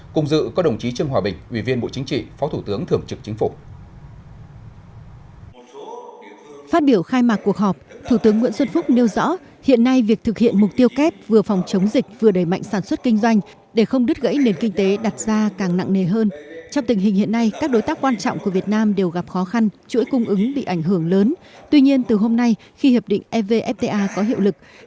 cùng dự có đồng chí trương hòa bình ủy viên bộ chính trị phó thủ tướng thưởng trực chính phủ